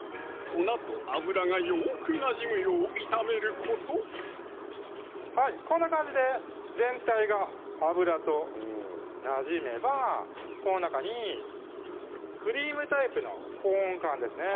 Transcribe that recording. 粉と油がよく馴染むよう炒めることこんな感じで全体が油となじめばこの中にクリームタイプのコーン缶ですね